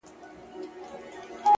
o ښايستو کي خيالوري پيدا کيږي؛